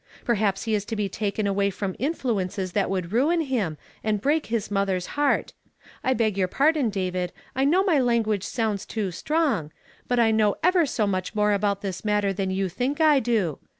Perhaps he is to be taken away from influences that would ruin him, and break his mother's heart. I beg your pardon, David ; I know my language sounds too strong ; but I know ever so nnicli more about this matter than you think I do.